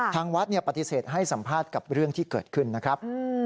ทางวัดปฏิเสธให้สัมภาษณ์กับเรื่องที่เกิดขึ้นนะครับ